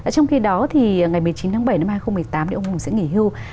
trong khi đó ngày một mươi chín bảy hai nghìn một mươi tám ông hùng sẽ nghỉ hưu